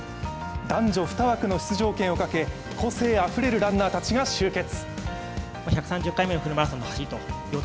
男女２枠の出場権をかけ、個性あふれるランナーたちが集結。